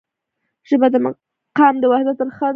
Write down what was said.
ژبه د قام د وحدت رښه ده.